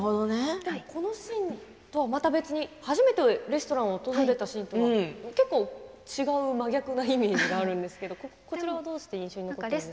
このシーンとはまた別に初めてレストランを訪れたシーン結構違う、真逆な意味でもあるんですがこちらはどうして印象に残ったんですか。